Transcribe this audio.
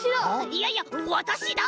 いいやわたしだ！